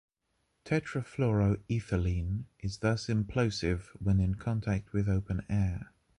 Tetrafluoroethylene is thus implosive when in contact with open air.